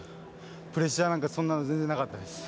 プレッシャーなんかそんなの全然なかったです。